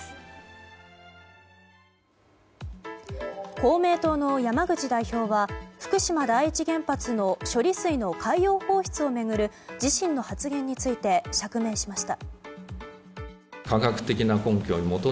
公明党の山口代表は福島第一原発の処理水の海洋放出を巡る自身の発言について釈明しました。